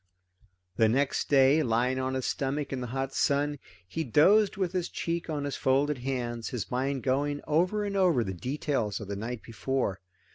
The next day, lying on his stomach in the hot sun, he dozed with his cheek on his folded hands, his mind going over and over the details of the night before.